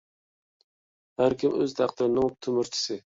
ھەركىم ئۆز تەقدىرىنىڭ تۆمۈرچىسى!